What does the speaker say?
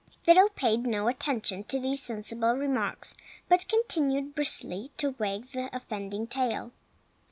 Fido paid no attention to these sensible remarks, but continued briskly to wag the offending tail.